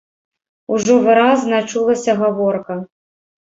Ужо выразна чулася гаворка.